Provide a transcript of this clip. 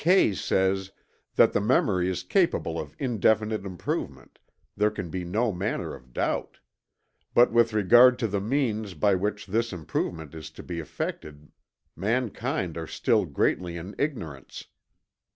Kay says: "That the memory is capable of indefinite improvement, there can be no manner of doubt; but with regard to the means by which this improvement is to be effected mankind are still greatly in ignorance."